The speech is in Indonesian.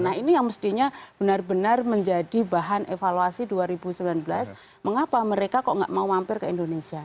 nah ini yang mestinya benar benar menjadi bahan evaluasi dua ribu sembilan belas mengapa mereka kok nggak mau mampir ke indonesia